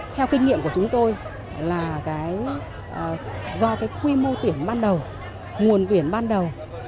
theo kinh nghiệm của chúng tôi do quy mô tuyển ban đầu nguồn tuyển ban đầu